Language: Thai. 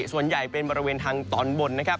ส่วนใหญ่เป็นบริเวณทางตอนบนนะครับ